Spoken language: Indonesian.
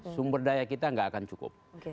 sumber daya kita nggak akan cukup